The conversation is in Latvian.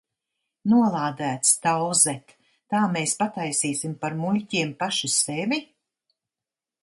Nolādēts, Tauzet, tā mēs pataisīsim par muļķiem paši sevi?